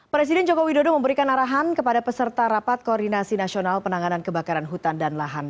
presiden joko widodo memberikan arahan kepada peserta rapat koordinasi nasional penanganan kebakaran hutan dan lahan